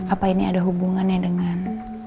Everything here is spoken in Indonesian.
apa ini ada hubungannya dengan